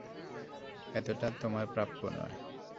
এতটা তোমার প্রাপ্য নয়।